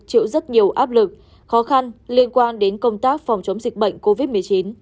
chịu rất nhiều áp lực khó khăn liên quan đến công tác phòng chống dịch bệnh covid một mươi chín